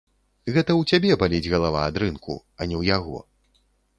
Гэта ў цябе баліць галава ад рынку, а не ў яго.